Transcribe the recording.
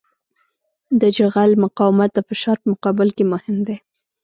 د جغل مقاومت د فشار په مقابل کې مهم دی